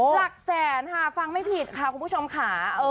หลักแสนค่ะฟังไม่ผิดค่ะคุณผู้ชมค่ะ